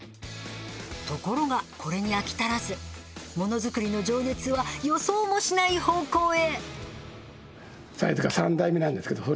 ところがこれに飽き足らずものづくりの情熱は予想もしない方向へ。